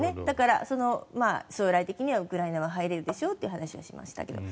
だから、将来的にはウクライナは入れるでしょという話はしましたが。